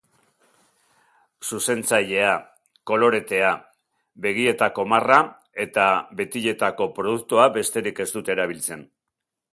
Zuzentzailea, koloretea, begietako marra eta betiletako produktua besterik ez dut erabiltzen.